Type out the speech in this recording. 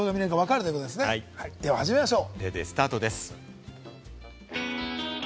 それでは始めましょう。